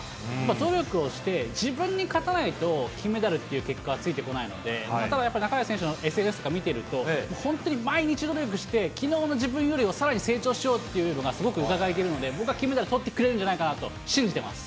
努力をして、自分に勝たないと金メダルという結果はついてこないので、ただ、やっぱり半井選手のＳＮＳとか見てると、本当に毎日努力して、きのうの自分よりもさらに成長しようというのがすごくうかがえるんで、僕は金メダルとってくれるんじゃないかなと信じてます。